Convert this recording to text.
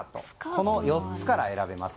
この４つから選べます。